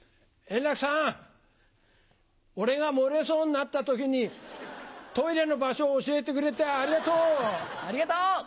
円楽さん、俺が漏れそうになったときに、トイレの場所を教えてくれてありありがとう。